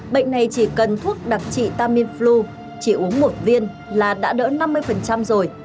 bệnh này chỉ cần thuốc đặc trị tamiflu chỉ uống một viên là đã đỡ năm mươi rồi